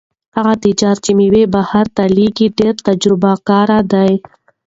هغه تجار چې مېوې بهر ته لېږي ډېر تجربه کار دی.